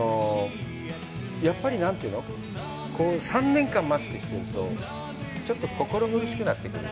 やっぱり３年間マスクをしてると、ちょっと心苦しくなってくる。